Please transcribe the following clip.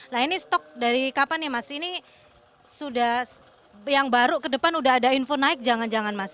nah ini stok dari kapan nih mas ini sudah yang baru ke depan sudah ada info naik jangan jangan mas